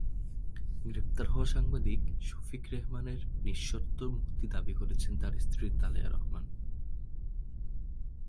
গ্রেপ্তার হওয়া সাংবাদিক শফিক রেহমানের নিঃশর্ত মুক্তি দাবি করেছেন তাঁর স্ত্রী তালেয়া রেহমান।